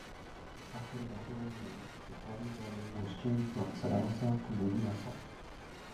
After the battle was won, the hardy warrior was changed from Sadamasa to Nobumasa.